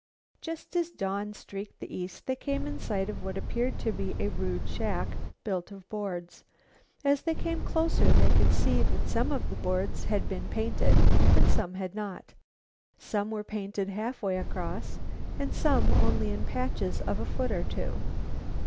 Just as dawn streaked the east they came in sight of what appeared to be a rude shack built of boards. As they came closer they could see that some of the boards had been painted and some had not. Some were painted halfway across, and some only in patches of a foot or two.